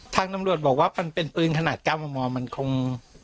ท่านน้ำรวจบอกว่ามันเป็นปืนขนาดกล้ามอเนื้อมันคง